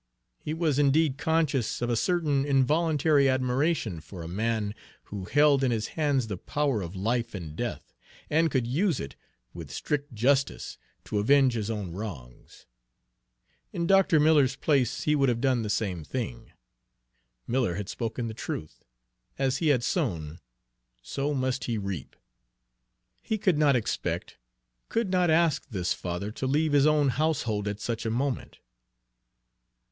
He was indeed conscious of a certain involuntary admiration for a man who held in his hands the power of life and death, and could use it, with strict justice, to avenge his own wrongs. In Dr. Miller's place he would have done the same thing. Miller had spoken the truth, as he had sown, so must he reap! He could not expect, could not ask, this father to leave his own household at such a moment.